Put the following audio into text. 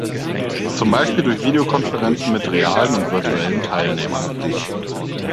Zum Beispiel durch Video-Konferenzen mit realen und virtuellen Teilnehmern.